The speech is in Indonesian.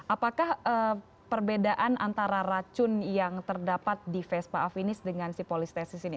apakah perbedaan antara racun yang terdapat di vespa afinis dengan si polistes di sini